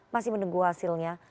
masih menunggu hasilnya